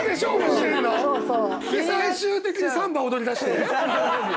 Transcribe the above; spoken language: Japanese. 最終的にサンバ踊りだして！？